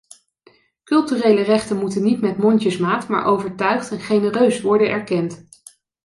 Culturele rechten moeten niet met mondjesmaat maar overtuigd en genereus worden erkend.